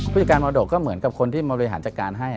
ผู้จัดการมรดกก็เหมือนกับคนที่บริหารจัดการให้